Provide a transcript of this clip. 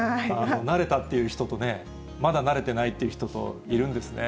慣れたっていう人と、まだ慣れてないっていう人といるんですね。